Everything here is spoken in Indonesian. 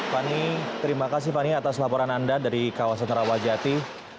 fani terima kasih fani atas laporan anda dari kawasan rawajati